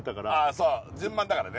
そう順番だからね